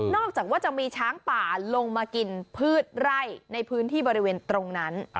จากว่าจะมีช้างป่าลงมากินพืชไร่ในพื้นที่บริเวณตรงนั้น